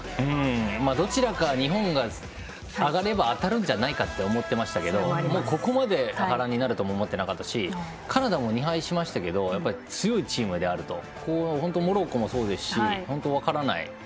どちらか日本が上がれば当たるんじゃないかと思ってましたけどここまで波乱になるとは思っていなかったし、カナダも２敗しましたけど強いチームであるとモロッコもそうですし本当分からない。